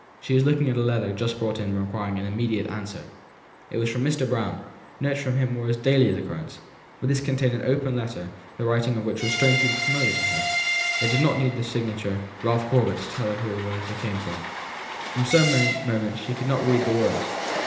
She was looking at a letter just brought in and requiring an immediate answer. It was from Mr. Brown. Notes from him were of daily occurrence, but this contained an open letter the writing of which was strangely familiar to her it did not need the signature "Ralph Corbet," to tell her whom the letter came from. For some moments she could not read the words.